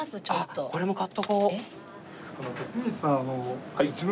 あっこれも買っとこう！